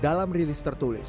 dalam rilis tertulis